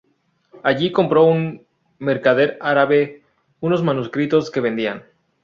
Allí compró a un mercader árabe unos manuscritos que vendía.